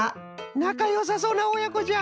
なかよさそうなおやこじゃ。